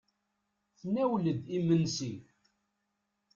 Tnawel-d imensi.